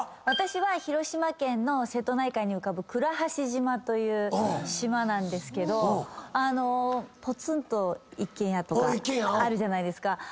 私は広島県の瀬戸内海に浮かぶ倉橋島という島なんですけど。とかあるじゃないですか。